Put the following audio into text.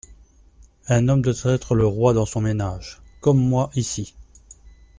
Un homme doit être le roi dans son ménage, comme moi ici.